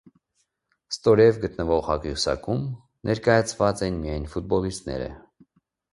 Ստորև գտնվող աղյուսակում ներկայացված են միայն ֆուտբոլիստները։